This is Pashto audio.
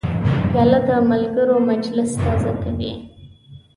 پیاله د ملګرو مجلس تازه کوي.